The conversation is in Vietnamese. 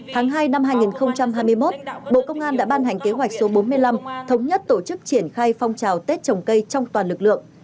tháng hai năm hai nghìn hai mươi một bộ công an đã ban hành kế hoạch số bốn mươi năm thống nhất tổ chức triển khai phong trào tết trồng cây trong toàn lực lượng